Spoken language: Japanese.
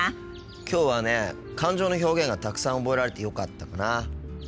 きょうはね感情の表現がたくさん覚えられてよかったかな。